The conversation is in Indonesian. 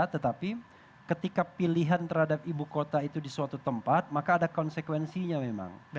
tetapi ketika pilihan terhadap ibu kota itu di suatu tempat maka ada konsekuensinya memang